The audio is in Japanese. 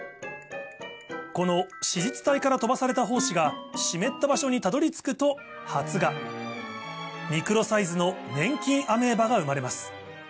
この子実体から飛ばされた胞子が湿った場所にたどり着くと発芽ミクロサイズの粘菌アメーバが生まれます